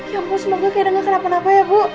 ya ampun semoga kak aida gak kenapa napa ya bu